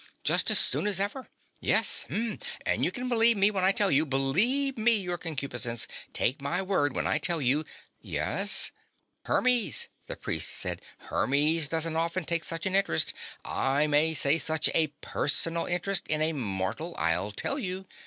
"Just as soon as ever. Yes. Hm. And you can believe me when I tell you believe me, Your Concupiscence take my word when I tell you " "Yes?" "Hermes," the priest said. "Hermes doesn't often take such an interest I may say such a personal interest in a mortal, I'll tell you.